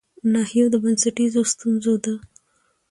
ناحيو د بنسټيزو ستونزو د